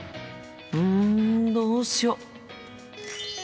うんどうしよう。